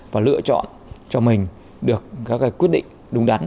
và lựa chọn cho mình được các quyết định đúng đắn